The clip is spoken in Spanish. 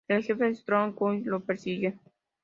El jefe Strong y Scully lo persiguen.